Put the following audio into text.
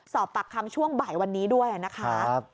สอบปากคำช่วงบ่ายวันนี้ด้วยนะคะ